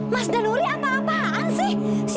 mas deluri apa apaan sih